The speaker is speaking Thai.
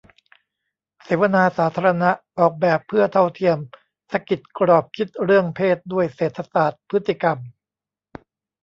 เสวนาสาธารณะ "ออกแบบเพื่อเท่าเทียม 'สะกิด' กรอบคิดเรื่องเพศด้วยเศรษฐศาสตร์พฤติกรรม"